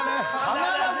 必ず。